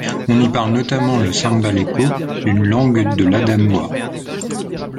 On y parle notamment le samba leko, une langue de l'Adamoua.